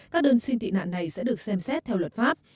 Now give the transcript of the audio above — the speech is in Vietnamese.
các đơn xin tị nạn này sẽ được xem xét theo luật pháp